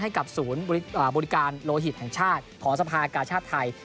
ให้กับศูนย์บริการโลหิตแห่งชาติของสภากาชาติไทย